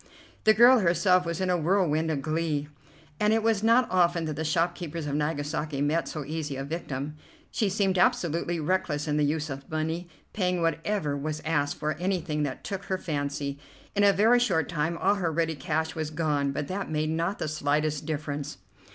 The girl herself was in a whirlwind of glee, and it was not often that the shopkeepers of Nagasaki met so easy a victim. She seemed absolutely reckless in the use of money, paying whatever was asked for anything that took her fancy. In a very short time all her ready cash was gone, but that made not the slightest difference.